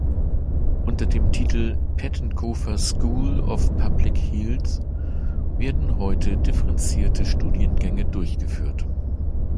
Unter dem Titel "Pettenkofer School of Public Health" werden heute differenzierte Studiengänge durchgeführt.